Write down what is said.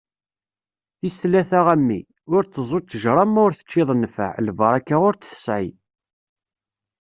Tis tlata a mmi! Ur tteẓẓu ṭejra ma ur teččiḍ nfeɛ, lbaraka ur t-tesɛi.